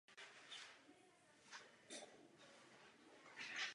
Karl Benz se ovšem začal zabývat myšlenkou vytvořit prakticky využitelný automobil.